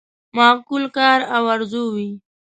معقول کار او آرزو وي.